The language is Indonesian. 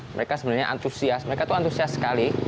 mereka sebenarnya antusias mereka itu antusias sekali